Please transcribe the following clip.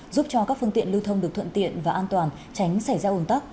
giúp cho các phương tiện lưu thông được thuận tiện và an toàn tránh xảy ra ồn tắc